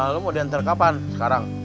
lo mau diantar kapan sekarang